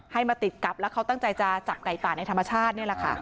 มาติดกับแล้วเขาตั้งใจจะจับไก่ป่าในธรรมชาตินี่แหละค่ะ